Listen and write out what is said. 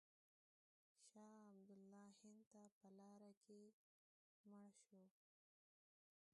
شاه عبدالله هند ته په لاره کې مړ شو.